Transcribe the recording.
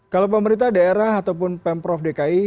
kalau pemerintah daerah ataupun pemprov dki